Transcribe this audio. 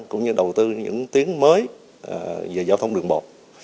cũng như đầu tư những tuyến mới về giao thông đường bộ